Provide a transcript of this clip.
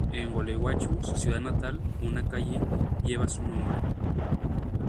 En Gualeguaychú, su ciudad natal, una calle lleva su nombre.